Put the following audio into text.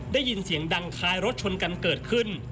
ได้ยินเสียงดังคล้ายรถชนกันเกิดขึ้น